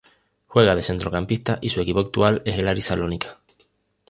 Juega de centrocampista y su equipo actual es el Aris Salónica.